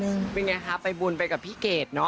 เป็นอย่างไรคะเป็นไงครับไปบุญมากับพี่เกดนะ